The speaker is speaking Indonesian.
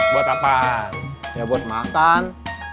buat apaan ya buat makan